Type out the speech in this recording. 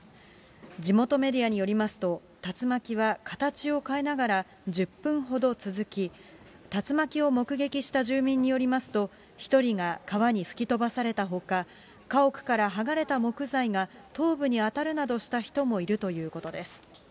地元メディアによりますと、竜巻は形を変えながら１０分ほど続き、竜巻を目撃した住民によりますと、１人が川に吹き飛ばされたほか、家屋から剥がれた木材が頭部に当たるなどした人もいるということです。